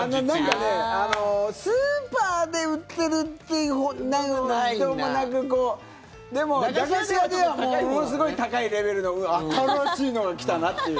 なんかね、スーパーで売ってるっていうほどでもなくでも、駄菓子屋ではものすごい高いレベルのうわっ、新しいのが来たなっていう。